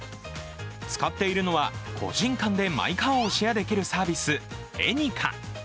使っているのは個人間でマイカーをシェアできるサービスＡｎｙｃａ。